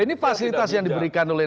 ini fasilitas yang diberikan oleh